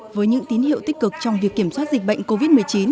với những tín hiệu tích cực trong việc kiểm soát dịch bệnh covid một mươi chín